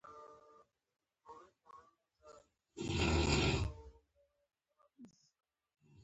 ملالۍ په میوند کې بیرغ پورته کړ.